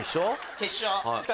決勝。